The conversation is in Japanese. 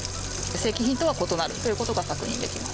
正規品とは異なるということが確認できます。